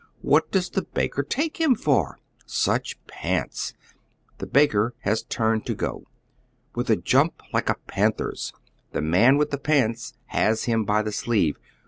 What does the baker take him for ? Such pants —, The baker has tnrned to go. With a jump like a panther's, the man with the pants has him by the sleeve.